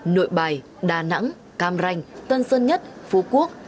nội bài đà nẵng cam ranh tân sơn nhất phú quốc